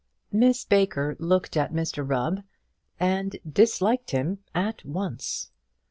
Miss Baker looked at Mr Rubb, and disliked him at once.